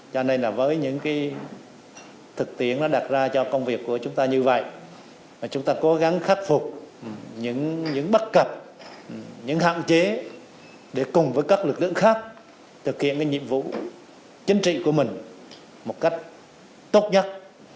cho nên là với những thực tiễn nó đặt ra cho công việc của chúng ta như vậy chúng ta cố gắng khắc phục những bất cập những hạn chế để cùng với các lực lượng khác thực hiện cái nhiệm vụ chính trị của mình một cách tốt nhất